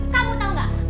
kamu tau gak